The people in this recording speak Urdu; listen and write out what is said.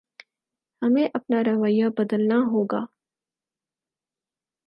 ہمیں اپنا رویہ بدلنا ہوگا۔